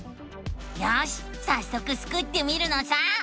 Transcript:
よしさっそくスクってみるのさ！